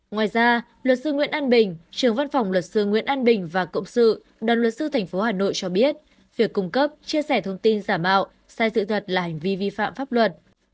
ngoài ra luật sư nguyễn an bình trường văn phòng luật sư nguyễn an bình và cộng sự đoàn luật sư tp hà nội cho biết việc cung cấp chia sẻ thông tin giả mạo sai sự thật là hành vi vi phạm pháp luật